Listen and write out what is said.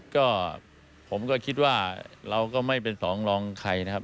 ก็ผมก็คิดว่าเราก็ไม่เป็นสองรองใครนะครับ